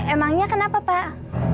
emangnya kenapa pak